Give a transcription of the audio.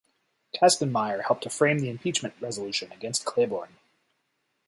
Kastenmeier helped to frame the impeachment resolution against Claiborne.